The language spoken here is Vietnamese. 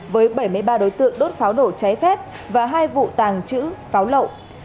với bảy mươi ba đối tượng đốt pháo nổ cháy phép và hai vụ tàng chữ pháo lộ